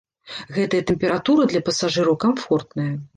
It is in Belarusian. Гэтая тэмпература для пасажыраў камфортная.